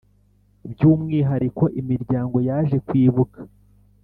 by’umwihariko imiryango yaje kwibuka